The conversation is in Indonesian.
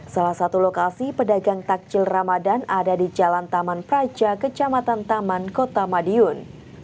salah satu lokasi pedagang takjil ramadan ada di jalan taman praja kecamatan taman kota madiun